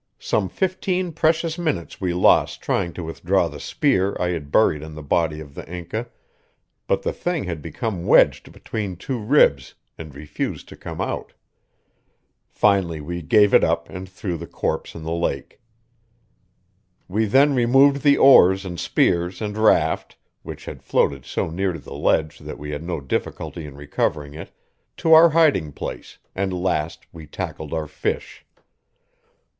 Some fifteen precious minutes we lost trying to withdraw the spear I had buried in the body of the Inca, but the thing had become wedged between two ribs and refused to come out. Finally we gave it up and threw the corpse in the lake. We then removed the oars and spears and raft which had floated so near to the ledge that we had no difficulty in recovering it to our hiding place, and last we tackled our fish.